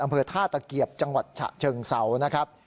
อำเภอท่าตะเกียบจังหวัดฉะเชิงเศร้านะครับ